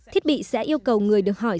thiết bị sẽ yêu cầu người được hỏi